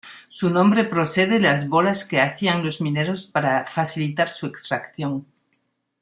Su nombre procede de las bolas que hacían los mineros para facilitar su extracción.